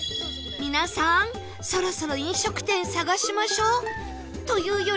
皆さんそろそろ飲食店探しましょう